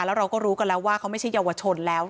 แล้วเราก็รู้กันแล้วว่าเขาไม่ใช่เยาวชนแล้ว